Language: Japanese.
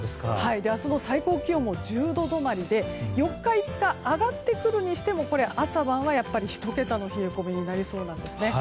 明日の最高気温も１０度止まりで４日、５日は上がってくるにしても朝晩はやはり１桁の冷え込みになりそうなんですね。